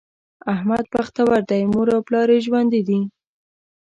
احمد بختور دی؛ مور او پلار یې ژوندي دي.